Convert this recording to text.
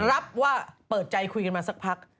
รับว่าเปิดใจคุยกันมาสักพัก